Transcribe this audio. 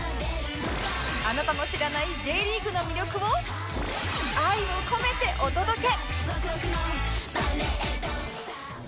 あなたの知らない Ｊ リーグの魅力を愛を込めてお届け！